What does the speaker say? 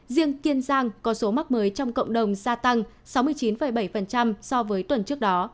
riêng kiên giang có số mắc mới trong cộng đồng gia tăng sáu mươi chín bảy so với tuần trước đó